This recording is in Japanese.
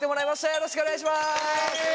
よろしくお願いします。